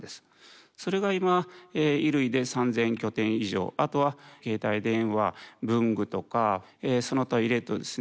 それが今衣類で３，０００拠点以上あとは携帯電話文具とかその他入れるとですね